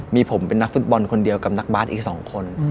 มีผมเป็นนักฟุตบอลคนเดียวกับนักบาสอีก๒คน